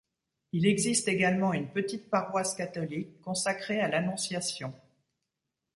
Il existe également une petite paroisse catholique consacrée à l'Annonciation.